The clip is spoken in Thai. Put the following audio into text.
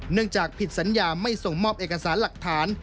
เนื่องจากผิดสัญญาไม่ส่งมอบเอกสารหลักฐาน